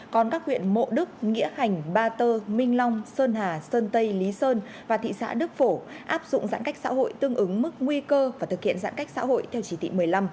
còn các huyện mộ đức nghĩa hành ba tơ minh long sơn hà sơn tây lý sơn và thị xã đức phổ áp dụng giãn cách xã hội tương ứng mức nguy cơ và thực hiện giãn cách xã hội theo chỉ thị một mươi năm